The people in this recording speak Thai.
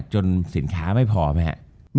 จบการโรงแรมจบการโรงแรม